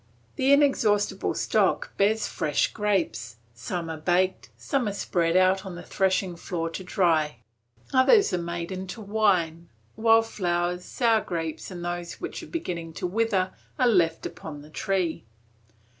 The inexhaustible stock bears fresh grapes, some are baked, some are spread out on the threshing floor to dry, others are made into wine, while flowers, sour grapes, and those which are beginning to wither are left upon the tree.